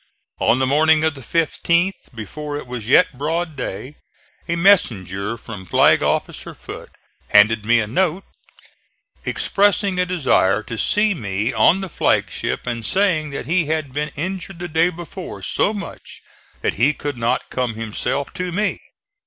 On the morning of the 15th, before it was yet broad day, a messenger from Flag officer Foote handed me a note, expressing a desire to see me on the flag ship and saying that he had been injured the day before so much that he could not come himself to me.